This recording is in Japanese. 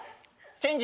チェンジ？